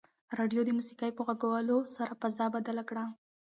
راډیو د موسیقۍ په غږولو سره فضا بدله کړه.